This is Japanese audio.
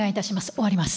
終わります。